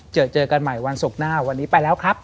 เจอเจอกันใหม่วันศุกร์หน้าวันนี้ไปแล้วครับ